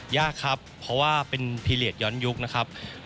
ยากครับเพราะว่าเป็นพีเรียสย้อนยุคนะครับ